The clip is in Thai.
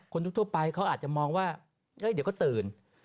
คนทั่วไปเขาอาจจะมองว่าเดี๋ยวก็ตื่น